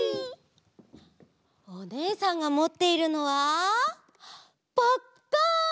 おねえさんがもっているのはパッカン！